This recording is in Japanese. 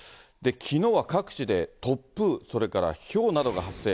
きのうは各地で突風、それからひょうなどが発生。